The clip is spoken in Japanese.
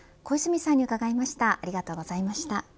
小泉さんに伺いました。